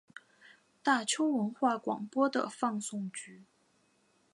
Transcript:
大邱文化广播的放送局。